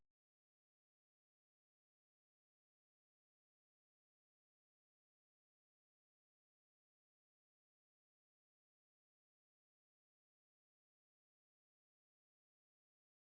apa yang kamu inginkan dari saya